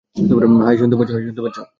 High, শুনতে পাচ্ছো?